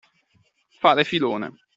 Fare filone.